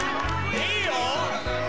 いいよ！